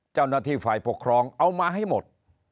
เจ้าหน้าที่ฝ่ายปกครองเอามาให้หมด